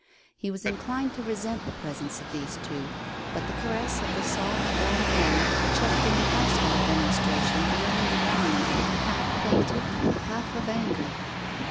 He was inclined to resent the presence of these two, but the caress of the soft, warm hand checked any hostile demonstration beyond a whine, half plaintive, half of anger.